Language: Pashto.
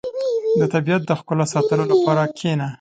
• د طبیعت د ښکلا ستایلو لپاره کښېنه.